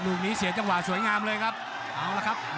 ลูกนี้เสียจังหวะสวยงามเลยครับ